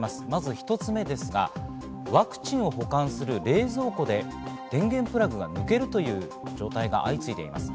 １つ目ですが、ワクチンを保管する冷蔵庫で電源プラグが抜けるという状態が相次いでいます。